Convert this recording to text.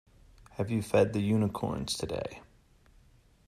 Have you fed the unicorns today?